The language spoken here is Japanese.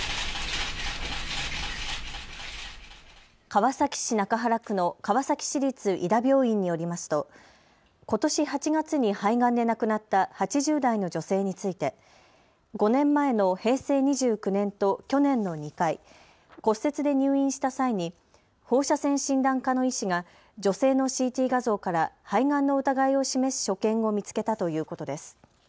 川崎市中原区の川崎市立井田病院によりますとことし８月に肺がんで亡くなった８０代の女性について５年前の平成２９年と去年の２回、骨折で入院した際に放射線診断科の医師が女性のＣＴ画像から肺がんの疑いを示す所見を見つけたということです。